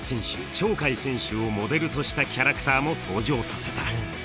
鳥海選手をモデルとしたキャラクターも登場させた。